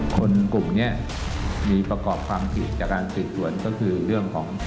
คนกลุ่มนี้มีประกอบความผิดจากการสืบสวนก็คือเรื่องของ